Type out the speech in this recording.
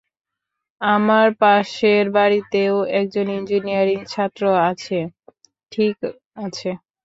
আমার পাশের বাড়িতেও একজন ইঞ্জিনিয়ারিং ছাত্র আছে - ঠিক আছে।